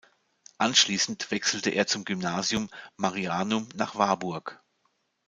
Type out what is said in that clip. Anschließend wechselte er zum Gymnasium Marianum nach Warburg.